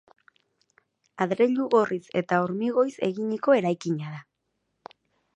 Adreilu gorriz eta hormigoiz eginiko eraikina da.